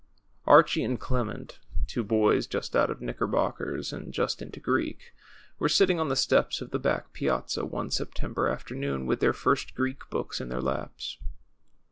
RCHIE and Clement, two boys just out of knicker bockers and just into Greek, were sitting on the steps of the back piazza one September afternoon with their First Greek Books in their laps.